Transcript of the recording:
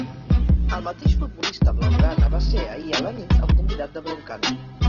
El mateix futbolista blaugrana va ser ahir a la nit el convidat de Broncano.